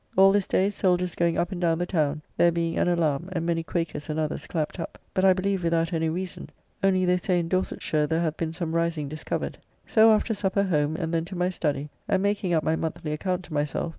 All this day soldiers going up and down the town, there being an alarm and many Quakers and others clapped up; but I believe without any reason: only they say in Dorsetshire there hath been some rising discovered. So after supper home, and then to my study, and making up my monthly account to myself.